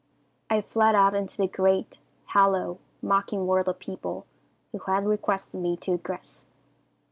"I fled out into the great, hollow, mocking world of people who had requested me to aggress.